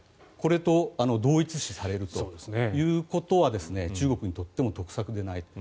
これと同一視されるということは中国にとっても得策でない。